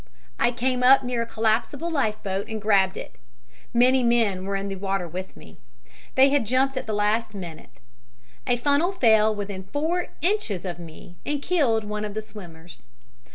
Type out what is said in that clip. "I came up near a collapsible life boat and grabbed it. Many men were in the water near me. They had jumped at the last minute. A funnel fell within four inches of me and killed one of the swimmers.